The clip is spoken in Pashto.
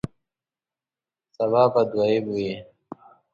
سبا به دویم وی